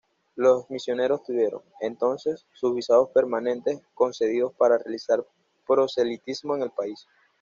Los misioneros tuvieron, entonces, sus visados permanente concedidos para realizar proselitismo en el país.